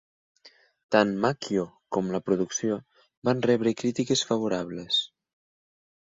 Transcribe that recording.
Tant Macchio com la producció van rebre crítiques favorables.